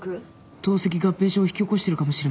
透析合併症を引き起こしてるかもしれません。